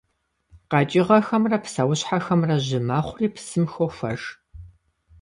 КъэкӀыгъэхэмрэ псэущхьэхэмрэ жьы мэхъури псым хохуэж.